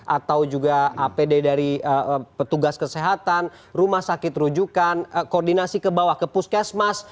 atau juga apd dari petugas kesehatan rumah sakit rujukan koordinasi ke bawah ke puskesmas